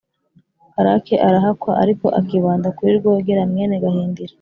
karake arahakwa, ariko akibanda kuri rwogera mwene gahindiro,